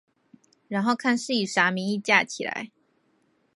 然後看是以啥名義架起來